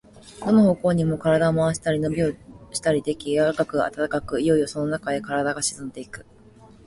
どの方向にも身体を廻したり、のびをしたりでき、柔かく暖かく、いよいよそのなかへ身体が沈んでいく。